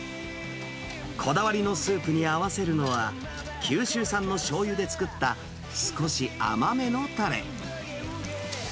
こだわりのスープに合わせるのは、九州産のしょうゆで作った少し甘めのたれ。